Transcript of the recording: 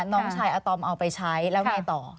น้องชายอาตอมเอาไปใช้แล้วไงต่อ